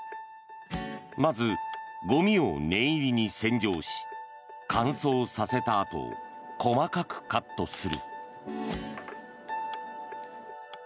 まず、ゴミを念入りに洗浄し乾燥させたあと細かくカットする。